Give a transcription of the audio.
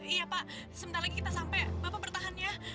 iya pak sebentar lagi kita sampai bapak bertahan ya